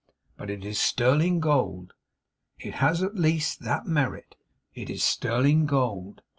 But it is sterling gold. It has at least that merit. It is sterling gold.